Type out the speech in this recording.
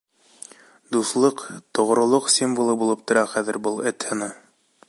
Дуҫлыҡ, тоғролоҡ символы булып тора хәҙер был эт һыны.